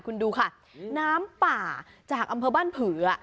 คุณดูค่ะน้ำป่าจากอำเภอบ้านผือ